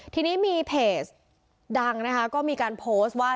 ทีนี้มีเพจดังนะคะก็มีการโพสต์ว่า